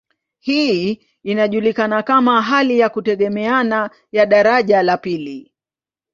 Hii inajulikana kama hali ya kutegemeana ya daraja la pili.